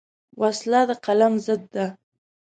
وسله د قلم ضد ده